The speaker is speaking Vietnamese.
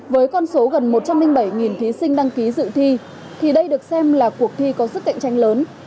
với con số gần một trăm linh bảy thí sinh đăng ký dự thi thì đây được xem là cuộc thi có sức cạnh tranh lớn